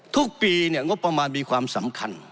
ทุกปีงบประมาณมีความสำคัญ